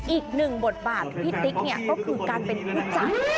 อีกหนึ่งบทบาทที่พี่ปิ๊กก็คือการเป็นผู้จัด